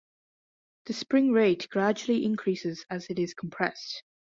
The spring rate gradually increases as it is compressed.